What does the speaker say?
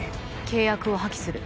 契約を破棄する。